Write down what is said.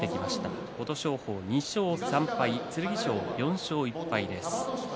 琴勝峰、２勝３敗剣翔は４勝１敗です。